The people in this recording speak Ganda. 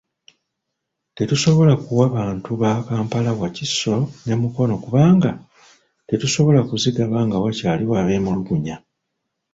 Tetusobodde kuwa bantu ba Kampala, Wakiso ne Mukono kubanga tetusobola kuzigaba nga wakyaliwo abeemulugunya.